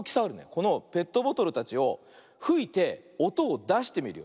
このペットボトルたちをふいておとをだしてみるよ。